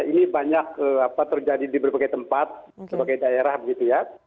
ini banyak terjadi di berbagai tempat sebagai daerah begitu ya